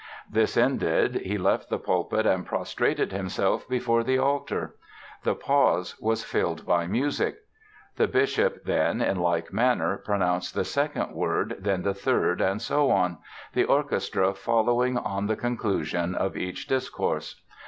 This ended, he left the pulpit and prostrated himself before the altar. The pause was filled by music. The bishop then in like manner pronounced the second word, then the third, and so on, the orchestra following on the conclusion of each discourse.